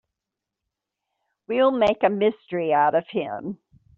We'll make a mystery out of him.